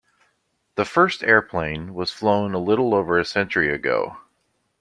The first airplane was flown a little over a century ago.